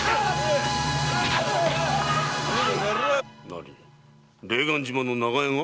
何霊岸島の長屋が？